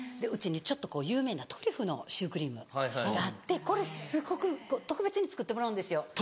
うちに有名なトリュフのシュークリームがあってこれすごく特別に作ってもらうんですよ。